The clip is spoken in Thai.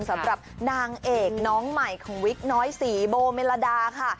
สำหรับนางเอกน้องใหม่ของวิกน้อยสีโบเมลดาค่ะ